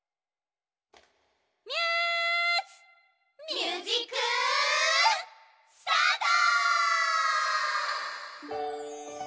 ミュージックスタート！